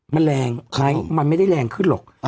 มันแรงมันไม่ได้แรงขึ้นหรอก